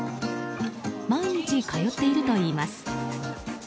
毎日通っているといいます。